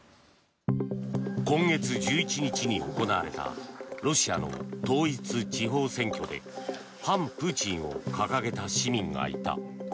今月１１日に行われたロシアの統一地方選挙で反プーチンを掲げた市民がいた。